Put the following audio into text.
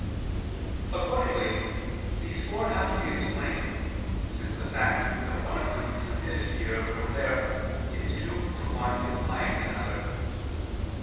"] Accordingly these four have to be explained, since the fact that one of them is omitted here or there is due to one implying another.